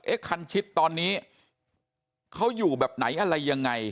คันชิดตอนนี้เขาอยู่แบบไหนอะไรยังไง